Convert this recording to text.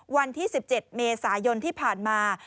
วันที่๑๗เมษายนที่ผ่านมา